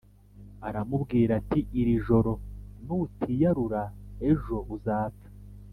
aramubwira ati “Iri joro nutiyarura, ejo uzapfa.”